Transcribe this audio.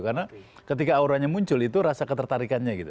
karena ketika auranya muncul itu rasa ketertarikannya gitu